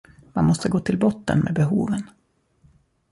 Man måste gå till botten med behoven